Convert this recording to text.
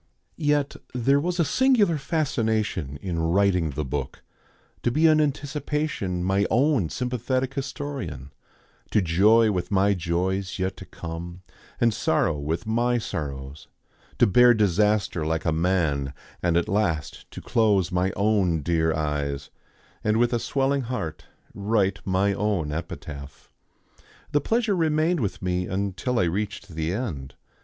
Yet there was a singular fascination in writing the book; to be in anticipation my own sympathetic historian, to joy with my joys yet to come, and sorrow with my sorrows, to bear disaster like a man, and at last to close my own dear eyes, and with a swelling heart write my own epitaph. The pleasure remained with me until I reached the end.